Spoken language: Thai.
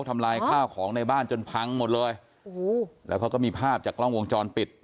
ทำลายข้าวของในบ้านจนพังหมดเลยโอ้โหแล้วเขาก็มีภาพจากกล้องวงจรปิด